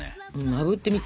あぶってみて。